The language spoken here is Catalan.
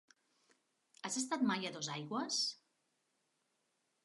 Has estat mai a Dosaigües?